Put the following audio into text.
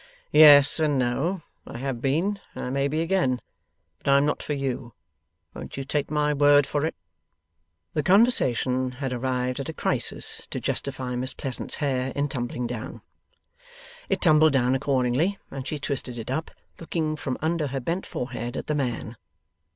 'Yes and no. I have been, and I may be again. But I am not for you. Won't you take my word for it?' The conversation had arrived at a crisis to justify Miss Pleasant's hair in tumbling down. It tumbled down accordingly, and she twisted it up, looking from under her bent forehead at the man.